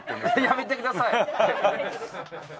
やめてください！